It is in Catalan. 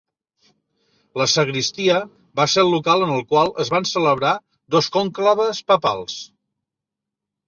La sagristia va ser el local en el qual es van celebrar dos conclaves papals.